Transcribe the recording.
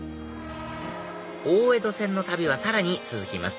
大江戸線の旅はさらに続きます